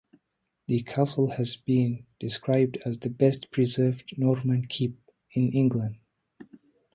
The castle has been described as the best preserved Norman keep in England.